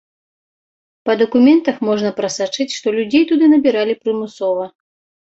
Па дакументах можна прасачыць, што людзей туды набіралі прымусова.